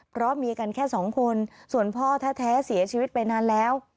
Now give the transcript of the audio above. เพราะเมียกันแค่สองคนส่วนพ่อแท้เสียชีวิตไปนานแล้ว